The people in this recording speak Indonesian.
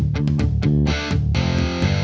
kamu paksa sama teteh